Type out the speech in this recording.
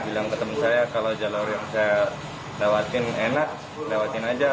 bilang ke temen saya kalau jalur yang saya lewatin enak lewatin aja